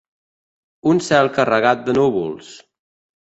Un cel carregat de núvols.